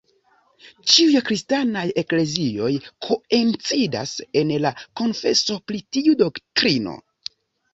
Ĉiuj kristanaj eklezioj koincidas en la konfeso pri tiu doktrino.